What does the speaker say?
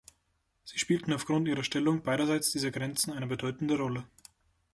Sie spielten aufgrund ihrer Stellung beiderseits dieser Grenzen eine bedeutende Rolle.